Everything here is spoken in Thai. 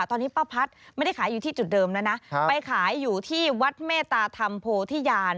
ตอนนี้ป้าพัฒน์ไม่ได้ขายอยู่ที่จุดเดิมแล้วนะไปขายอยู่ที่วัดเมตตาธรรมโพธิญาณ